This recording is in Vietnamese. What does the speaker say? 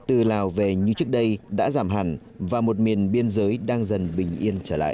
từ lào về như trước đây đã giảm hẳn và một miền biên giới đang dần bình yên trở lại